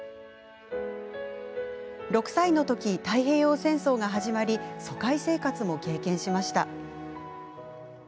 ６歳のとき、太平洋戦争が始まり疎開生活も経験しました。